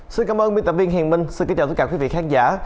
xin cảm ơn biên tập viên hiền minh xin kính chào tất cả quý vị khán giả